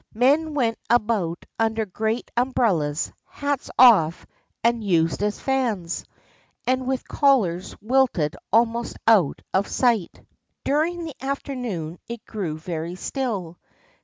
Men went about under great umbrellas, hats off and used as fans, and with collars wilted almost out of sight. During the afternoon it grew very still.